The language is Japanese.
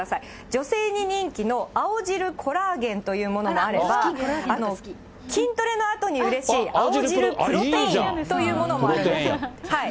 女性に人気の青汁コラーゲンというものもあれば、筋トレのあとにうれしい青汁プロテインというものもあります。